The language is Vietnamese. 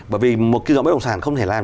bởi vì một cái dòng bất động sản không thể làm